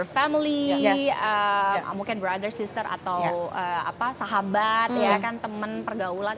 family mungkin brother sister atau sahabat teman pergaulan